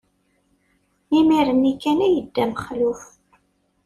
Imir-nni kan ay yedda Mexluf.